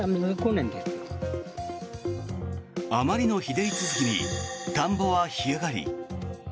あまりの日照り続きに田んぼは干上がり。